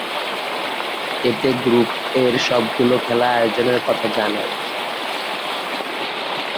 এতে গ্রুপ এ’র সবগুলো খেলা আয়োজনের কথা জানায়।